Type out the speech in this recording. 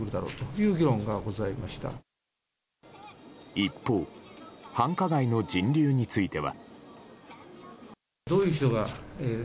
一方繁華街の人流については。